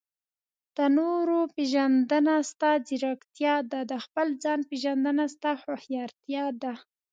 د نورو پېژندنه؛ ستا ځیرکتیا ده. د خپل ځان پېژندنه؛ ستا هوښيارتيا ده.